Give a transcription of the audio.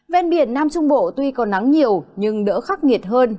vên biển nam trung bộ tuy có nắng nhiều nhưng đỡ khắc nghiệt hơn